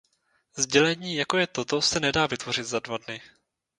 Sdělení, jako je toto, se nedá vytvořit za dva dny.